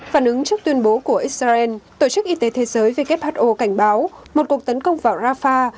phản ứng trước tuyên bố của israel tổ chức y tế thế giới who cảnh báo một cuộc tấn công vào rafah